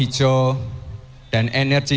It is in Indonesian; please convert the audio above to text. hijau dan energi